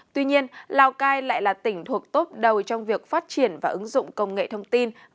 tuy nhiên lào cai lại là tỉnh thuộc tốp đầu trong việc phát triển và ứng dụng công nghệ thông tin